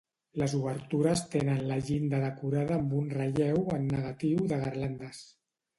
Les obertures tenen la llinda decorada amb un relleu en negatiu de garlandes.